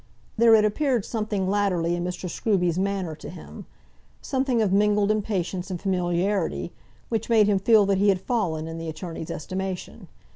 There had appeared something latterly in Mr. Scruby's manner to him, something of mingled impatience and familiarity, which made him feel that he had fallen in the attorney's estimation.